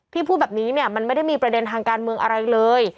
พูดแบบนี้เนี่ยมันไม่ได้มีประเด็นทางการเมืองอะไรเลย